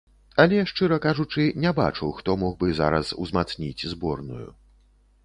Але, шчыра кажучы, не бачу, хто мог бы зараз узмацніць зборную.